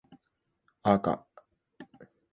あか